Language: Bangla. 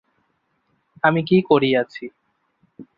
আমি কী করিয়াছি।